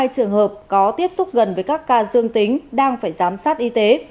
hai trăm bốn mươi hai trường hợp có tiếp xúc gần với các ca dương tính đang phải giám sát y tế